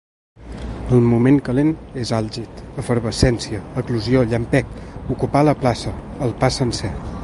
El moment calent és àlgid, efervescència, eclosió, llampec, ocupar la plaça, el pa sencer.